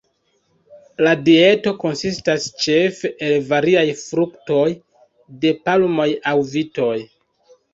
La dieto konsistas ĉefe el variaj fruktoj, de palmoj aŭ vitoj.